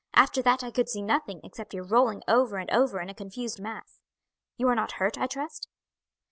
After that I could see nothing except your rolling over and over in a confused mass. You are not hurt, I trust?"